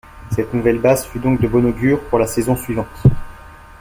Cette nouvelle base fut donc de bon augure pour la saison suivante.